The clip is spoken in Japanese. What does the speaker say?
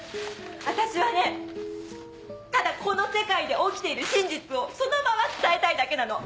私はねただこの世界で起きている真実をそのまま伝えたいだけなの。